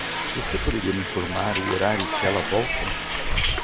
Você poderia me informar o horário que ela volta?